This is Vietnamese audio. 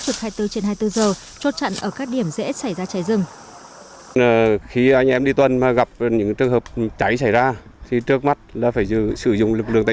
trực hai mươi bốn trên hai mươi bốn giờ chốt chặn ở các điểm dễ xảy ra cháy rừng